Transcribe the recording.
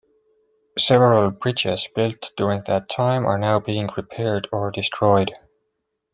Several bridges built during that time are now being repaired or destroyed.